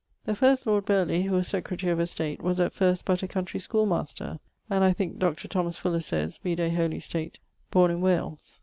The first lord Burley (who was Secretary of Estate) was at first but country schoole master, and (I thinke Dr. Thomas Fuller sayes, vide Holy State) borne in Wales.